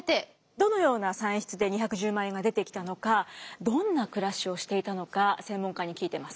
どのような算出で２１０万円が出てきたのかどんな暮らしをしていたのか専門家に聞いてます。